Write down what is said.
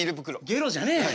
ゲロじゃねえ。